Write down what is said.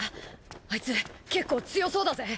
あいつ結構強そうだぜ。